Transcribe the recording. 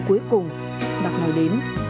cuối cùng bác nói đến